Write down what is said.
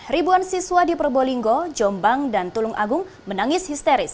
ribuan siswa di probolinggo jombang dan tulung agung menangis histeris